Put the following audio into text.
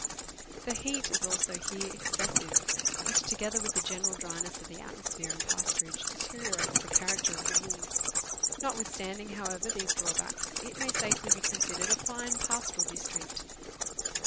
The heat is also here excessive, which, together with the general dryness of the atmosphere and pasturage, deteriorates the character of the wools. Notwithstanding, however, these draw backs, it may safely be considered a fine pastoral district.